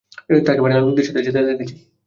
তাকে প্যানের লোকদের সাথে যেতে দেখেছি।